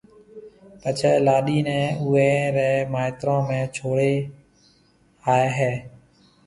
پڇيَ لاڏِي نيَ اوئيَ رَي مائيترون ۾ ڇوڙھيََََ آئيَ ھيََََ